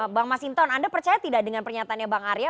bang masinton anda percaya tidak dengan pernyataannya bang arya